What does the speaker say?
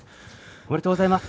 おめでとうございます。